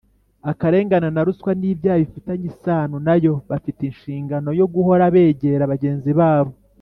akarengane na ruswa n ibyaha bifitanye isano na yo Bafite inshingano yo guhora begera bagenzi babo